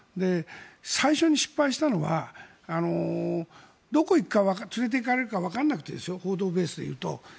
最初に失敗したのはどこに行くか、連れていかれるかわからなくてですよ報道ベースで言うと。